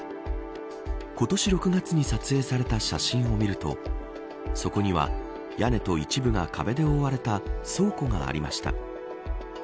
今年６月に撮影された写真を見るとそこには屋根と一部が壁で覆われた倉庫がありました。